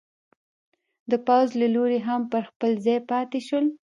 د پوځ له لوري هم پر خپل ځای پاتې شول.